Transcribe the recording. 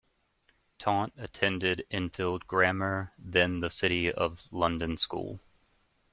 Taunt attended Enfield Grammar, then the City of London School.